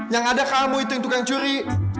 yang ada kamu itu yang tukang curi